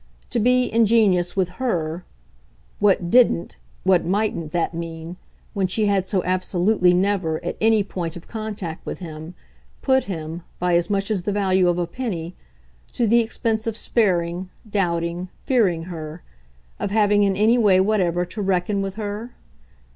To be ingenious with HER what DIDN'T, what mightn't that mean, when she had so absolutely never, at any point of contact with him, put him, by as much as the value of a penny, to the expense of sparing, doubting, fearing her, of having in any way whatever to reckon with her?